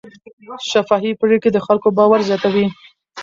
شفافې پریکړې د خلکو باور زیاتوي.